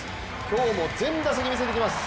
今日も全打席、見せていきます。